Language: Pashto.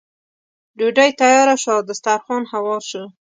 ډوډۍ تیاره شوه او دسترخوان هوار شو.